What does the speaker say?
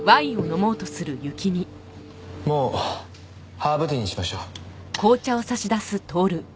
もうハーブティーにしましょう。